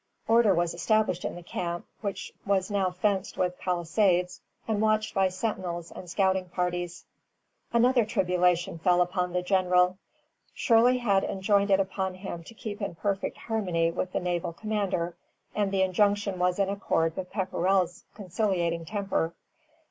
Order was established in the camp, which was now fenced with palisades and watched by sentinels and scouting parties. Another tribulation fell upon the General. Shirley had enjoined it upon him to keep in perfect harmony with the naval commander, and the injunction was in accord with Pepperrell's conciliating temper.